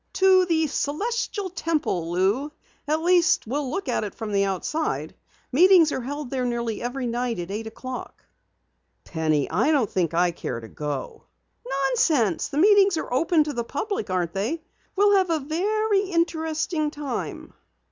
"To the Celestial Temple, Lou. At least, we'll look at it from the outside. Meetings are held there nearly every night at eight o'clock." "Penny, I don't think I care to go." "Nonsense! The meetings are open to the public, aren't they? We'll have a very interesting time."